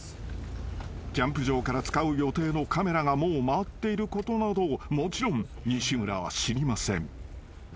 ［キャンプ場から使う予定のカメラがもう回っていることなどもちろん西村は知りません］